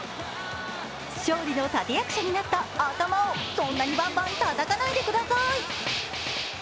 勝利の立て役者になった頭を、そんなにバンバンたたかないでください。